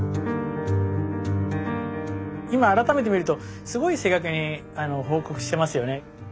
今改めて見るとすごい正確に報告してますよね。